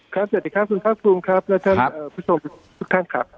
สวัสดีครับคุณภาคภูมิครับและท่านผู้ชมทุกท่านครับ